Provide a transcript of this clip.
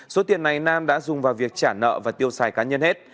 số tiền này nam đã dùng vào việc trả nợ và tiêu xài cá nhân hết